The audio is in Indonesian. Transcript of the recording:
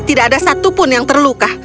tidak ada satupun yang terluka